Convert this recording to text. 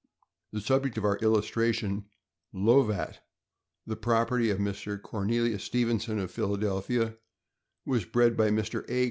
The subject of our illustration, Lovat, the property of Mr. Cornelius Stevenson, of Philadelphia, was bred by Mr. A.